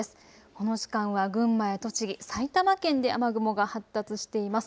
この時間は群馬や栃木、埼玉県で雨雲が発達しています。